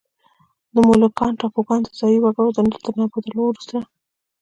د مولوکان ټاپوګان د ځايي وګړو تر نابودولو وروسته.